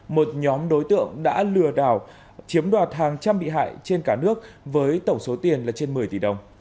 một nhóm đối tượng đã lừa đảo chiếm đoạt hàng trăm bị hại trên cả nước với tổng số tiền là trên một mươi tỷ đồng